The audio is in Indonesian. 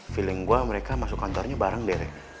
feeling gue mereka masuk kantornya bareng deh re